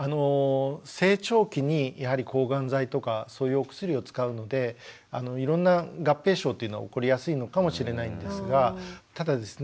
成長期にやはり抗がん剤とかそういうお薬を使うのでいろんな合併症っていうのは起こりやすいのかもしれないんですがただですね